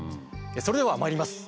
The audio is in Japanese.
それではまいります。